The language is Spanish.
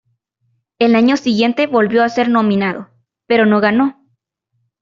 Al año siguiente volvió a ser nominado, pero no ganó.